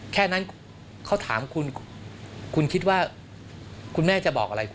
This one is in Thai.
แค่นั้นเขาถามคุณคุณคิดว่าคุณแม่จะบอกอะไร